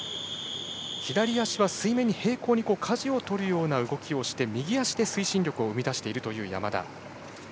左足は水面に平行にかじをとるような動きをして右足で推進力を生み出しているという山田。